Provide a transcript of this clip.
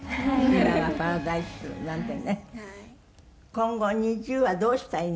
今後ＮｉｚｉＵはどうしたいのか。